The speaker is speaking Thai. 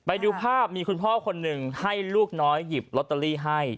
ไปดูภาพมีคุณพ่อคนหนึ่งให้ลูกน้อยหยิบลอตเตอรี่ให้